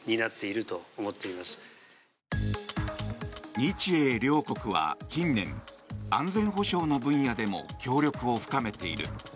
日英両国は近年安全保障の分野でも協力を深めている。